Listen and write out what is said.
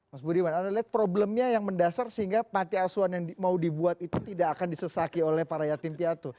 mas budiman anda lihat problemnya yang mendasar sehingga panti asuhan yang mau dibuat itu tidak akan disesaki oleh para yatim piatu